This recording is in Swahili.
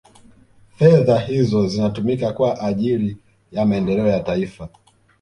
fedha hizo zinatumika kwa ajili ya maendeleo ya taifa